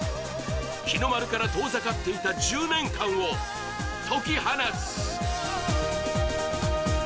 日の丸から遠ざかっていた１０年間を解き放つ。